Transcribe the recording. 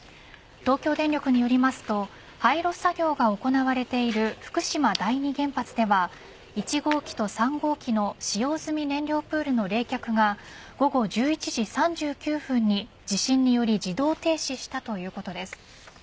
東京電力によりますと廃炉作業が行われている福島第二原発では１号機と３号機の使用済み燃料プールの冷却が午後１１時３９分に地震により自動停止したということです。